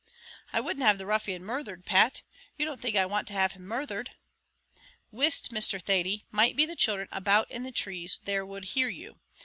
"I wouldn't have the ruffian murthered, Pat; you don't think I want to have him murthered?" "Whist, Mr. Thady; may be the children about in the trees there would hear you.